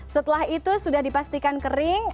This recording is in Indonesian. setelah itu sudah dipastikan kering